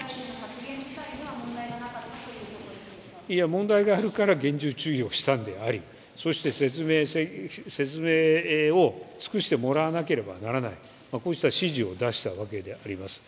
問題があるから厳重注意をしたのであり、そして説明を尽くしてもらわなければならない、こうした指示を出したわけであります。